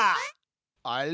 あれ？